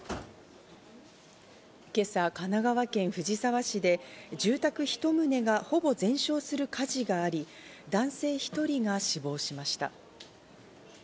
今朝、神奈川県藤沢市で住宅一棟がほぼ全焼する火事があり、男性１人が死亡しました。